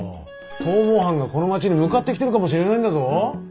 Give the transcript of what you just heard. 逃亡犯がこの町に向かってきてるかもしれないんだぞ。